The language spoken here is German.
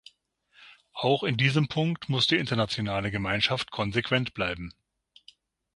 Auch in diesem Punkt muss die internationale Gemeinschaft konsequent bleiben.